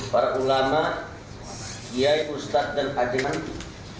para ulama iya'i ustadz dan ajemanti